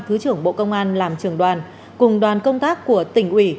thứ trưởng bộ công an làm trường đoàn cùng đoàn công tác của tỉnh ủy